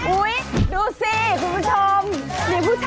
อุ๊ยดูสิคุณผู้ชม